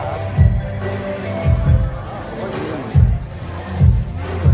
สโลแมคริปราบาล